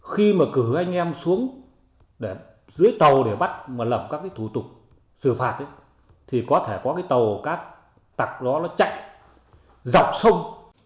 khi mà cử anh em xuống để dưới tàu để bắt mà lập các cái thủ tục xử phạt ấy thì có thể có cái tàu cát tặc đó nó chạy dọc sông